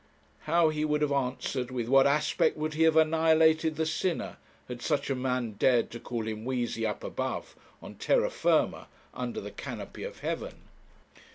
How would he have answered, with what aspect would he have annihilated the sinner, had such a man dared to call him weazy up above, on terra firma, under the canopy of heaven?